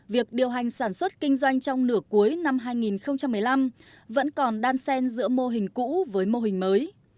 việc điều hành sản xuất kinh doanh trong nửa cuối năm hai nghìn một mươi năm vẫn còn đan sen giữa mô hình cũ với mô hình mới